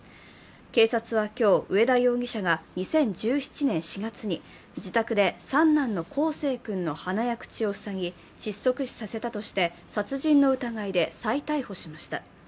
警察は今日、上田容疑者が２０１７年４月に自宅で、三男の康生君の鼻や口を塞ぎ、窒息死させたとして殺人の疑いで再逮捕しました。